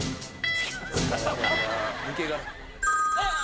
ああ！